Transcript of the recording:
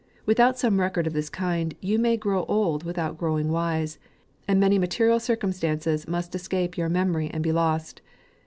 Without some record of this kind, you may grow old with out growing wise, and many material circum stances must escape your memory and be lost.